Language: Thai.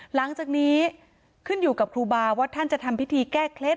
หลังจากนี้ขึ้นอยู่กับครูบาว่าท่านจะทำพิธีแก้เคล็ด